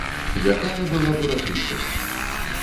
Якая была б урачыстасць!